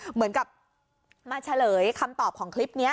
เหมือนกับมาเฉลยคำตอบของคลิปนี้